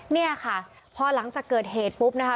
เนี่ยค่ะพอหลังจากเกิดเหตุปุ๊บนะคะ